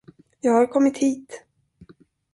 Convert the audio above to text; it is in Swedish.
Jag har kommit hit